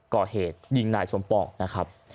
ก่อเหตุยิงนายสมปองนะครับ